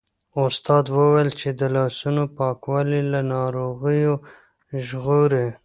استاد وویل چې د لاسونو پاکوالی له ناروغیو ژغوري.